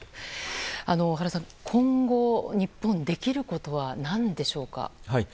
小原さん今後日本ができることは何でしょうか。